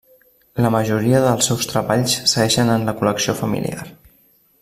La majoria dels seus treballs segueixen en la col·lecció familiar.